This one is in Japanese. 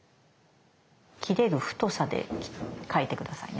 切れる太さで描いて下さいね。